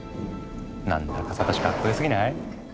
何だかサトシかっこよすぎない？